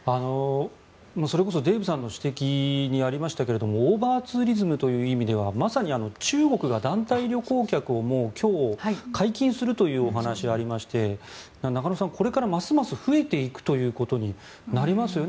それこそデーブさんの指摘にありましたけどオーバーツーリズムという意味ではまさに中国が団体旅行客を今日、解禁するという話がありまして中野さんこれからますます増えていくということになりますよね。